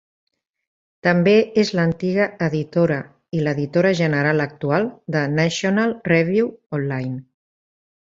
També és l'antiga editora i l'editora general actual de "National Review Online".